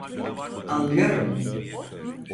Anlıyorum.